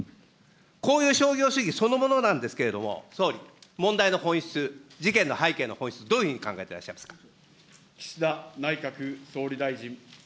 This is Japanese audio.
こういう商業主義そのものなんですけれども、総理、問題の本質、事件の背景の本質、どういうふうに考えていらっしゃいますか。